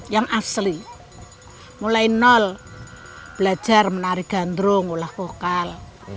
yang asli mulai nol belajar menarik gandrung olah vokal